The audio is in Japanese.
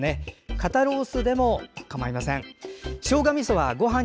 肩ロースでも構いません。